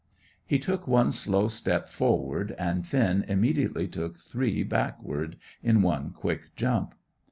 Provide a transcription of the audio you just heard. He took one slow step forward; and Finn immediately took three backward, in one quick jump.